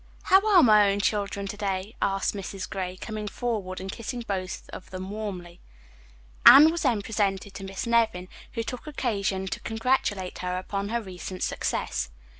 "How are my own children to day," asked Mrs. Gray, coming forward and kissing both of them warmly. Anne was then presented to Miss Nevin, who took occasion to congratulate her upon her recent success.